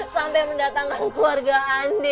sampai mendatangkan keluarga andi